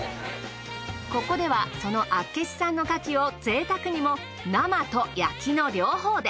ここではその厚岸産の牡蠣をぜいたくにも生と焼きの両方で。